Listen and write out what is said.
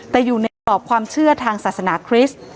แต่อยู่ในกรอบความเชื่อทางศาสนาคริสต์